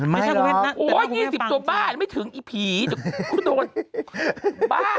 ไม่ถึง๑๐ตัวบ้าไม่ถึงอีภีร์จะโดนบ้า